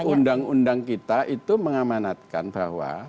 undang undang kita itu mengamanatkan bahwa